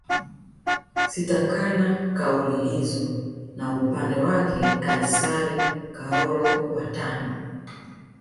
Sitakana kauli hizo na Upande wake Kaisari Karolo wa tano